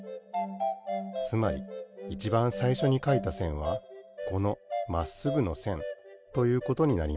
つまりいちばんさいしょにかいたせんはこのまっすぐのせんということになります。